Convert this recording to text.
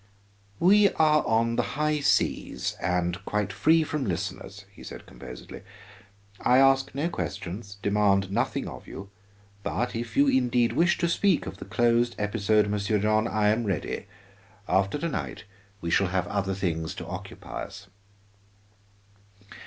"We are on the high seas, and quite free from listeners," he said composedly. "I ask no questions, demand nothing of you, but if you indeed wish to speak of the closed episode, Monsieur John, I am ready. After to night we shall have other things to occupy us."